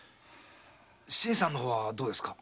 新さんの方はどうですか？